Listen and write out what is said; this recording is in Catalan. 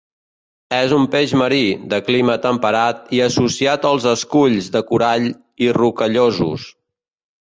És un peix marí, de clima temperat i associat als esculls de corall i rocallosos.